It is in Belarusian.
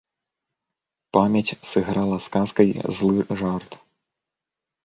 Памяць сыграла з казкай злы жарт.